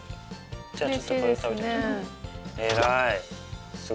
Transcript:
じゃあちょっとこれ食べて。